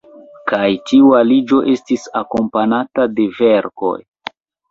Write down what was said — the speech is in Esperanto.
Kaj tiu aliĝo estis akompanata de verkoj.